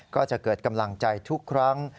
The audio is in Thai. ก็จะเกิดกำลังใจทุกครั้ง